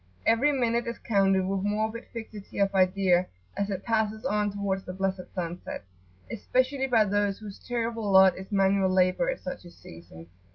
Every minute is counted with morbid fixity of idea as it passes on towards the blessed sunset, especially by those whose terrible lot is manual labour at such a season.